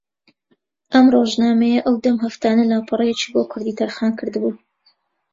ئەم ڕۆژنامەیە ئەودەم ھەفتانە لاپەڕەیەکی بۆ کوردی تەرخان کردبوو